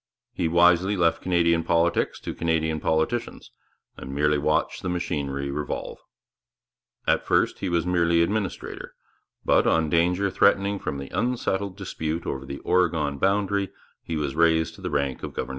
He wisely left Canadian politics to Canadian politicians, and merely watched the machinery revolve. At first he was merely administrator, but, on danger threatening from the unsettled dispute over the Oregon boundary, he was raised to the rank of governor general.